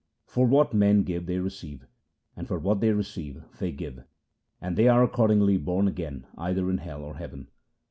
For what men give they receive, and for what they receive they give, 1 and they are accordingly born again either in hell or heaven.